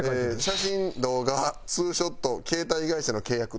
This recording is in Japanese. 「写真動画」「２ショット」「携帯会社の契約」って走り。